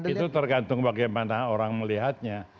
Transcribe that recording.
itu tergantung bagaimana orang melihatnya